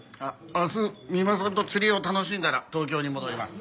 明日三馬さんと釣りを楽しんだら東京に戻ります。